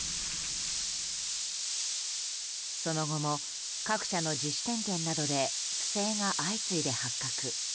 その後も各社の自主点検などで不正が相次いで発覚。